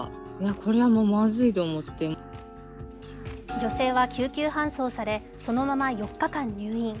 女性は救急搬送されそのまま４日間、入院。